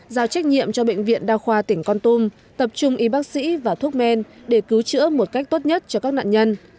giao trách nhiệm cho bệnh viện đa khoa tỉnh con tum tập trung y bác sĩ và thuốc men để cứu chữa một cách tốt nhất cho các nạn nhân